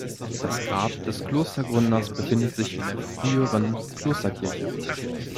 Das Grab des Klostergründers befindet sich in der früheren Klosterkirche.